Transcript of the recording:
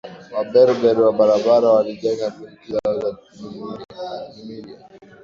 Waberber wa bara walijenga milki zao za Numidia